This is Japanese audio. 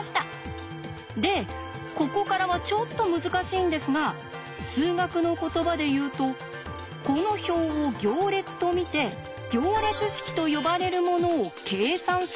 でここからはちょっと難しいんですが数学の言葉で言うとこの表を行列と見て行列式と呼ばれるものを計算するんです。